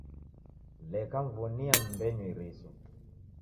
Leka mw'onia m'mbenyu iriso.